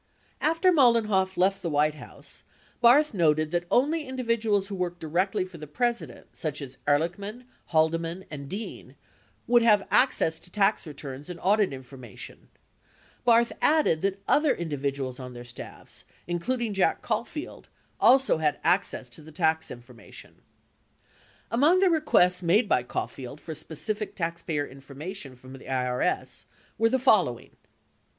41 After Mollenhoff left the White House, Barth noted that only in dividuals who worked directly for the President such as Ehrlichman, Haldeman, and Dean would have access to tax returns and audit in formation, Barth added that other individuals on their staffs, includ ing J ack Caulfield, also had access to the tax information. 42 Among the requests made by Caulfield for specific taxpayer in formation from the IRS were the following : 1.